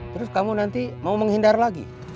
terus kamu nanti mau menghindar lagi